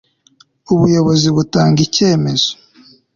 ubuyobozi butanga icyemezo